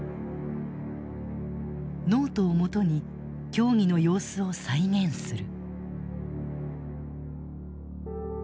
ノートをもとに協議の様子を再現する。